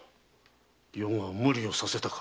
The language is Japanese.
余が無理をさせたか。